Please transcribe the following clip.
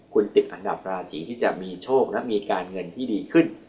คุณติดอันดับราศีที่จะมีโชคและมีการเงินที่ดีขึ้น